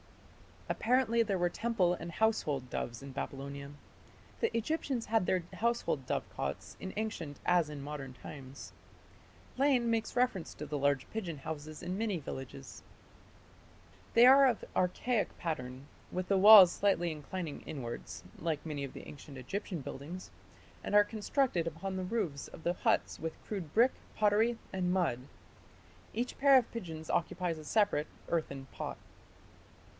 Apparently there were temple and household doves in Babylonia. The Egyptians had their household dovecots in ancient as in modern times. Lane makes reference to the large pigeon houses in many villages. They are of archaic pattern, "with the walls slightly inclining inwards (like many of the ancient Egyptian buildings)", and are "constructed upon the roofs of the huts with crude brick, pottery, and mud.... Each pair of pigeons occupies a separate (earthen) pot."